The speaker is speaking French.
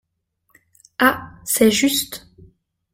Ah ! c’est juste…